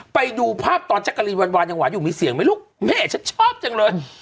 ไปดูภาพตอนแจ๊กกะรีนวานยังหวานอยู่มีเสียงไหมลูกแม่ฉันชอบจังเลย